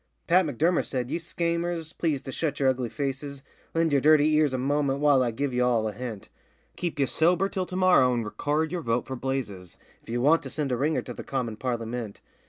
Pat M'Durmer said, 'Ye schaymers, please to shut yer ugly faces, Lend yer dirty ears a momint while I give ye all a hint: Keep ye sober till to morrow and record yer vote for Blazes If ye want to send a ringer to the commin Parlymint.